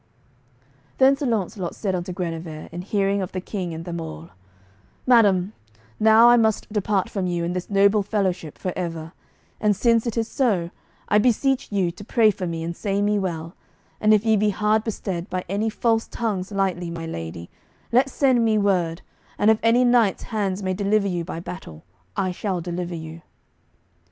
Then Sir Launcelot said unto Guenever, in hearing of the King and them all, "Madam, now I must depart from you and this noble fellowship for ever; and since it is so, I beseech you to pray for me, and say me well; and if ye be hard bestead by any false tongues lightly, my lady, let send me word, and if any knight's hands may deliver you by battle, I shall deliver you."